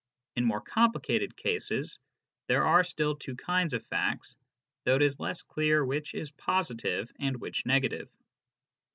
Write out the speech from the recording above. In more complicated cases there are still two kinds of facts, though it is less clear which is positive and which negative.